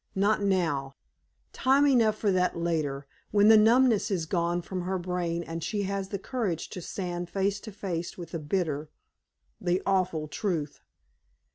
Not now; time enough for that later, when the numbness is gone from her brain and she has the courage to stand face to face with the bitter the awful truth.